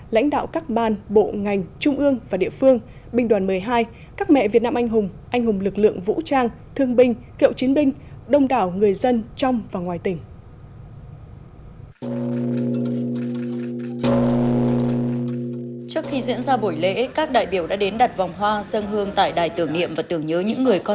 lãnh đạo các ban bộ ngành trung ương và địa phương binh đoàn một mươi hai các mẹ việt nam anh hùng